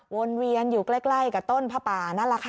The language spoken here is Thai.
วนเวียนอยู่ใกล้กับต้นผ้าป่านั่นแหละค่ะ